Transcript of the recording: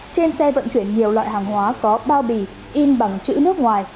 trên xe vận chuyển nhiều loại hàng hóa có bao bì in bằng chữ nước ngoài